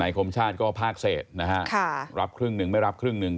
คมชาติก็ภาคเศษนะฮะรับครึ่งหนึ่งไม่รับครึ่งหนึ่ง